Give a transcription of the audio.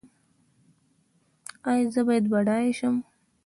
ایا زه باید بډای شم؟